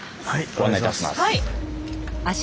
ご案内いたします。